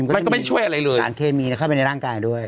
มันก็ไม่ช่วยอะไรเลยสารเคมีเข้าไปในร่างกายด้วย